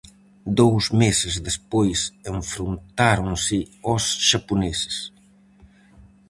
Dous meses despois enfrontáronse aos xaponeses.